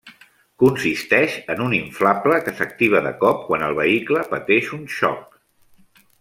Consisteix en un inflable que s'activa de cop quan el vehicle pateix un xoc.